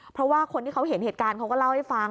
เพราะว่าคนที่เขาเห็นเหตุการณ์เขาก็เล่าให้ฟัง